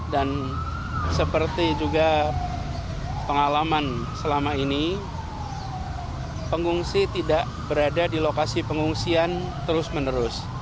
dan seperti juga pengalaman selama ini pengungsi tidak berada di lokasi pengungsian terus menerus